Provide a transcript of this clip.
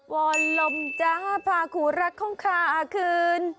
วอนลมจ้าภาคุรักของขาอาคืน